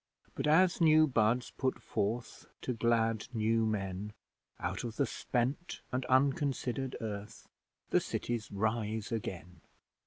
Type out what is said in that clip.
But, as new buds put forth To glad new men, Out of the spent and unconsidered Earth, The Cities rise again.